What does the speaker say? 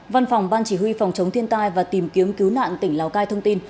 văn phòng ban chỉ huy phòng chống thiên tai và tìm kiếm cứu nạn tỉnh lào cai thông tin